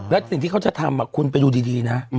แล้วสิ่งที่เขาจะทำคุณไปดูดีนะ